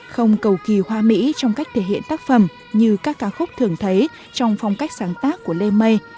không cầu kỳ hoa mỹ trong cách thể hiện tác phẩm như các ca khúc thường thấy trong phong cách sáng tác của lê mây